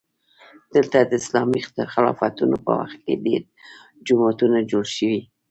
دلته د اسلامي خلافتونو په وخت کې ډېر جوماتونه جوړ شوي.